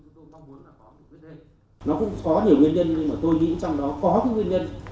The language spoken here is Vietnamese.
nó cũng có nhiều nguyên nhân nhưng mà tôi nghĩ trong đó có cái nguyên nhân